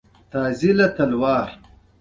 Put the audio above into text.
د کرنيز انقلاب جوهر د ډېرو انسانانو ژوندي ساتل دي.